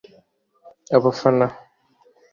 abafana